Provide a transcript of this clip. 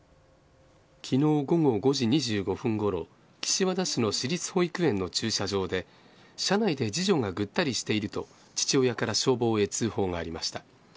昨日午後５時２５分ごろ岸和田市の市立保育園の駐車場で車内で次女がぐったりしていると父親から消防へ通報がありました。